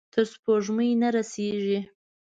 تر سپوږمۍ نه رسیږې